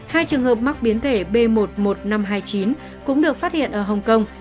hai trường hợp mắc biến thể b một mươi một nghìn năm trăm hai mươi chín cũng được phát hiện ở hồng kông